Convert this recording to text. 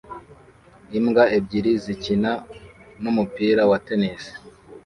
Imbwa ebyiri zikina numupira wa tennis